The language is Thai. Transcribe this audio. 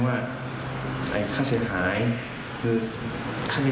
สวัสดีครับทุกคน